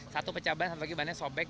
satu pecah ban satu lagi bannya sobek